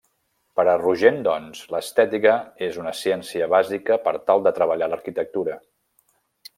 Per a Rogent doncs, l'estètica és una ciència bàsica per tal de treballar l'arquitectura.